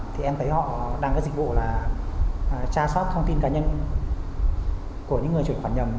thì em thấy họ đang có dịch vụ là tra sát thông tin cá nhân của những người chuyển khoản nhầm